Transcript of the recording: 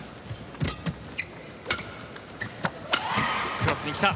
クロスに来た。